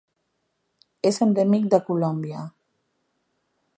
És endèmic de Colòmbia.